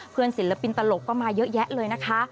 ศิลปินตลกก็มาเยอะแยะเลยนะคะ